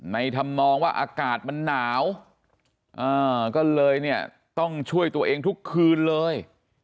ทำนองว่าอากาศมันหนาวก็เลยเนี่ยต้องช่วยตัวเองทุกคืนเลย